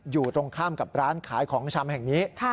อยู่ตรงข้ามกับร้านขายของชำแห่งนี้